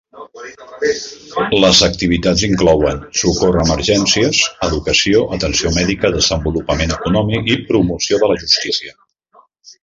Les activitats inclouen: socórrer emergències, educació, atenció mèdica, desenvolupament econòmic i promoció de la justícia.